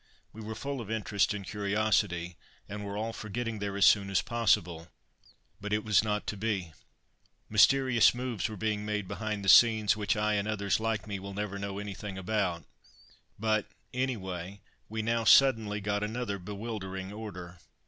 We were full of interest and curiosity, and were all for getting there as soon as possible. But it was not to be. Mysterious moves were being made behind the scenes which I, and others like me, will never know anything about; but, anyway, we now suddenly got another bewildering order.